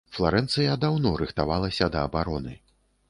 Фларэнцыя даўно рыхтавалася да абароны.